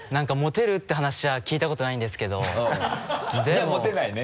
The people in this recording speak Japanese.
じゃあモテないね？